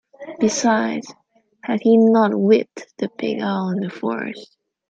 Besides, had he not whipped the big owl in the forest.